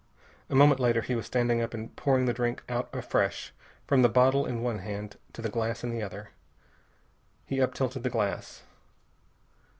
A moment later he was standing up and pouring the drink out afresh, from the bottle in one hand to the glass in the other. He up tilted the glass.